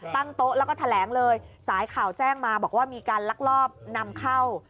โต๊ะแล้วก็แถลงเลยสายข่าวแจ้งมาบอกว่ามีการลักลอบนำเข้า